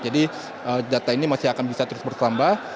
jadi data ini masih akan bisa terus bertambah